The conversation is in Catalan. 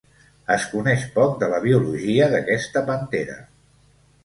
Es coneix poc de la biologia d'aquesta pantera.